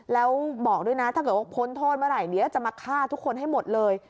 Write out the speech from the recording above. แล้วบอกด้วยนะถ้าเกิดว่าพ้นโทษเมื่อไหร่เดี๋ยวจะมาฆ่าทุกคนให้หมดเลย